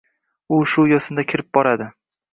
U shu yo‘sinda kirib boradi.